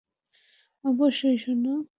অবশ্যই, সোনা।